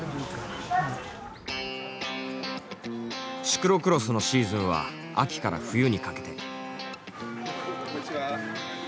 シクロクロスのシーズンは秋から冬にかけて。